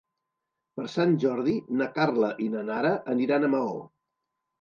Per Sant Jordi na Carla i na Nara aniran a Maó.